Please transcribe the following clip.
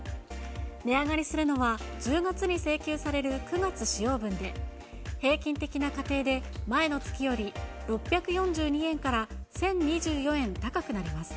値上がりするのは、１０月に請求される９月使用分で、平均的な家庭で、前の月より６４２円から１０２４円高くなります。